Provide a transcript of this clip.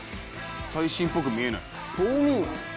最新っぽく見えない。